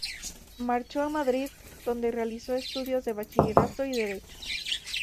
Marchó a Madrid donde realizó estudios de bachillerato y derecho.